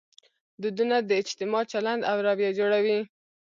دودونه د اجتماع چلند او رویه جوړوي.